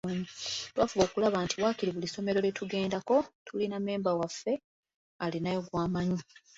Twafuba okulaba nti waakiri buli ssomero lye tugendako tulina mmemba waffe alinayo gw’amanyi.